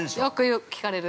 ◆よく聞かれる。